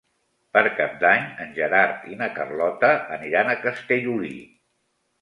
Per Cap d'Any en Gerard i na Carlota aniran a Castellolí.